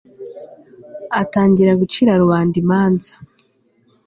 atangira gucira rubanda imanza